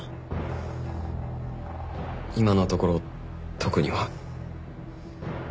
今のところ特には。